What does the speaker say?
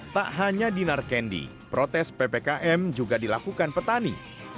tak hanya dinar kendi protes ppkm juga dilakukan petani